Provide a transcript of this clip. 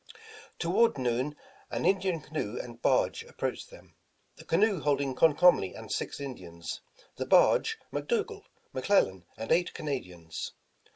Toward noon, an Indian canoe and barge approached them, the canoe holding Comcomly and six Indians, the barge McDougal, McLellan and eight Canadians.